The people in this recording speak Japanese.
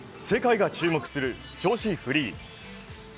世界が注目する女子フリー。